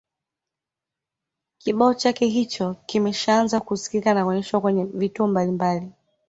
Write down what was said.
kibao chake hicho kimeshaanza kusikika na kuonyeshwa kwenye vituo mbalimbali